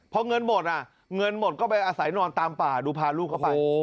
พอเงินหมดอ่ะเงินหมดก็ไปอาศัยนอนตามป่าดูพาลูกเข้าไป